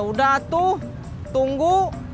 ya udah tuh tunggu